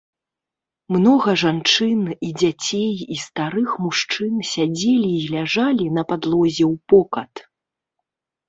Многа жанчын, і дзяцей, і старых мужчын сядзелі і ляжалі на падлозе ўпокат.